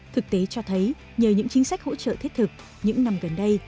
thực tế cho thấy nhờ những chính sách hỗ trợ thiết thực những năm gần đây